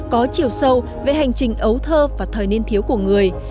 có chiều sâu về hành trình ấu thơ và thời niên thiếu của người